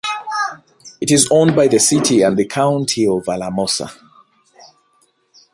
It is owned by the City and County of Alamosa.